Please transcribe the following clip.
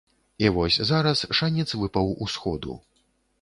І вось зараз шанец выпаў усходу.